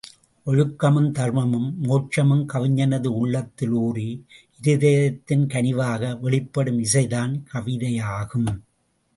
ஒழுக்கமும், தர்மமும், மோட்சமும் கவிஞனது உள்ளத்தில் ஊறி, இருதயத்தின் கனிவாக வெளிப்படும் இசைதான் கவிதையாகும்.